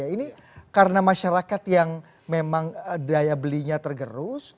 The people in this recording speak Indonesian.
ini karena masyarakat yang memang daya belinya tergerus